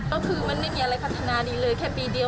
ก็คือมันไม่มีอะไรพัฒนาดีเลยแค่ปีเดียว